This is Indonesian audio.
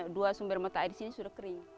dua sumber mata air di sini sudah kering